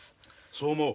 そう思う。